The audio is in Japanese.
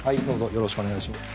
よろしくお願いします。